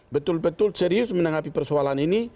betul betul serius menanggapi persoalan ini